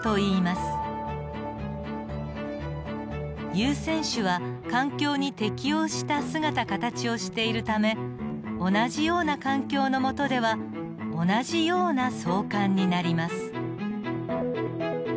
優占種は環境に適応した姿形をしているため同じような環境の下では同じような相観になります。